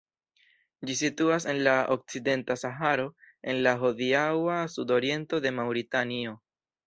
Ĝi situas en la okcidenta Saharo en la hodiaŭa sudoriento de Maŭritanio.